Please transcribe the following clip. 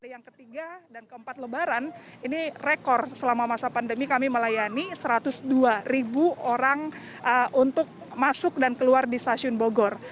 yang ketiga dan keempat lebaran ini rekor selama masa pandemi kami melayani satu ratus dua orang untuk masuk dan keluar di stasiun bogor